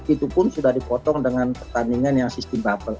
itu pun sudah dipotong dengan pertandingan yang sistem bubble